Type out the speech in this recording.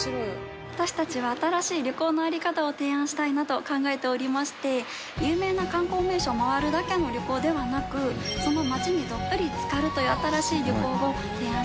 私たちは新しい旅行の在り方を提案したいなと考えておりまして有名な観光名所を回るだけの旅行ではなくその町にどっぷり漬かるという新しい旅行を提案したいなと考え